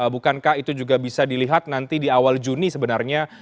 bukankah itu juga bisa dilihat nanti di awal juni sebenarnya